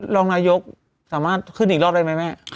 รองนายกสามารถขึ้นอีกรอบได้ไหมแม่